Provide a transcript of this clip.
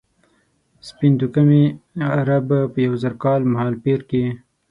سپین توکمي عرب په یو زر کال مهالپېر کې.